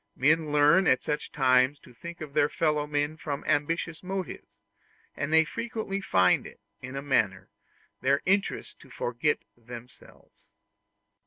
Men learn at such times to think of their fellow men from ambitious motives; and they frequently find it, in a manner, their interest to forget themselves.